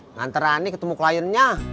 ngantar ani ketemu kliennya